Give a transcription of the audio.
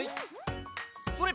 それ！